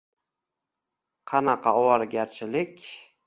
Qanaqa ovoragarchilik